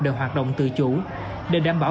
đều hoạt động tự chủ để đảm bảo